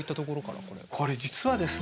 これ実はですね